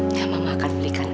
ya mama akan belikan